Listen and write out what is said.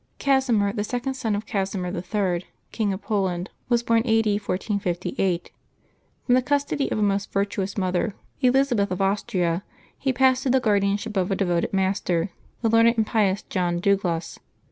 GASiMiR, the second son of Casimir III., King of Poland was born a. d. 1458. From the custody of a most virtuous mother, Elizabeth of Austria, he passed to the guardianship of a devoted master, the learned and pious John Dugloss.